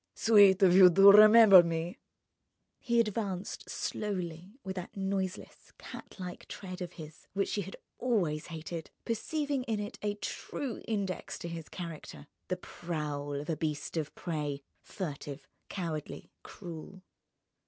"Sweet of you to remember me!" He advanced slowly with that noiseless, cat like tread of his which she had always hated, perceiving in it a true index to his character: the prowl of a beast of prey, furtive, cowardly, cruel.